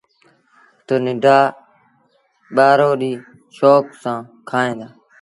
تا ننڍآ ٻآروڏي شوڪ سآݩ کائيٚݩ دآ۔